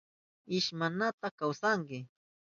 ¿Imashnata kawsanki?